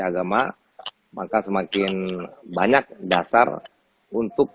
agama maka semakin banyak dasar untuk